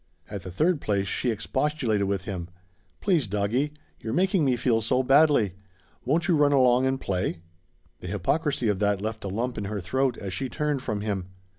At the third place she expostulated with him. "Please, doggie, you're making me feel so badly. Won't you run along and play?" The hypocrisy of that left a lump in her throat as she turned from him.